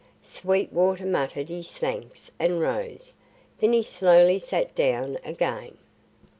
Sweetwater muttered his thanks and rose. Then he slowly sat down again.